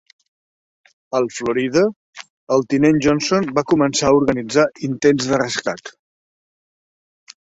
Al "Florida" el tinent Johnson va començar a organitzar intents de rescat.